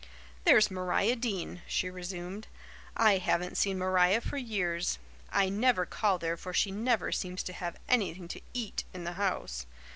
"There's Maria Dean." she resumed. "I haven't seen Maria for years. I never call there for she never seems to have anything to eat in the house.